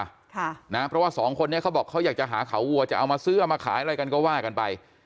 ค่ะนะเพราะว่าสองคนนี้เขาบอกเขาอยากจะหาเขาวัวจะเอามาซื้อเอามาขายอะไรกันก็ว่ากันไป